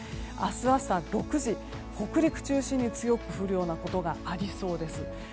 明日朝６時、北陸中心に強く降ることがありそうです。